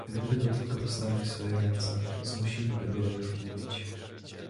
"Gdyby go tylko dostali w swoje ręce zmusiliby go już mówić."